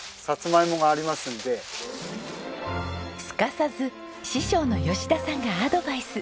すかさず師匠の吉田さんがアドバイス。